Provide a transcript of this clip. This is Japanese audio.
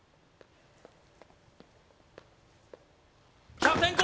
キャプテン５！